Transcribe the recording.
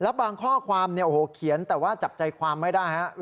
แล้วบางข้อความเนี่ยโอ้โหเขียนแต่ว่าจับใจความไม่ได้ครับ